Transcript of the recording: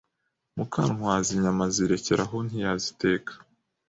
muka Ntwaza inyama azirekera aho ntiyaziteka,